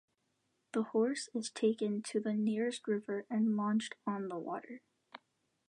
The horse is taken to the nearest river and launched on the water.